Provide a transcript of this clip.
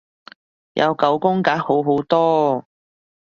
有九宮格好好多